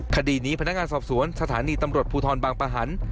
คดีนี้พนักงานสอบสวนสถานีตำรวจภูทรบางประหัน